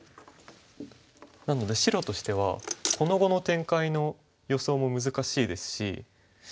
なので白としてはこの後の展開の予想も難しいですし。